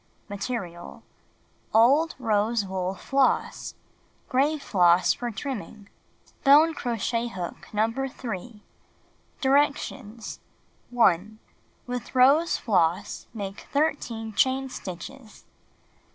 Material: Old rose wool floss. Gray floss for trimming. Bone crochet hook No. 3 Directions : 1. With rose floss make 13 chain stitches.